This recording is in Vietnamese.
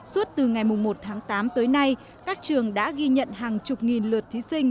suốt từ ngày một tháng tám tới nay các trường đã ghi nhận hàng chục nghìn lượt thí sinh